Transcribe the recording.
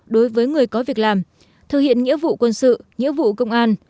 đối với người có việc làm thực hiện nghĩa vụ quân sự nghĩa vụ công an